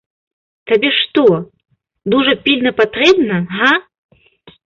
Табе што, дужа пільна патрэбна, га?